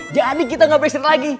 jadi kita gak b street lagi